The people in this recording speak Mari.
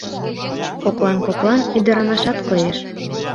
Коклан-коклан ӱдырамашат коеш.